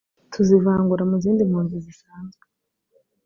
tuzivangura mu zindi mpunzi zisanzwe